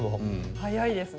早いですね。